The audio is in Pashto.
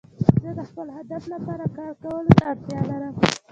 زه د خپل هدف لپاره کار کولو ته اړتیا لرم.